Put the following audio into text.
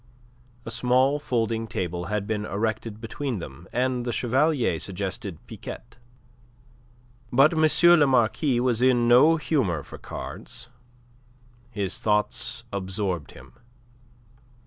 A small folding table had been erected between them, and the Chevalier suggested piquet. But M. le Marquis was in no humour for cards. His thoughts absorbed him.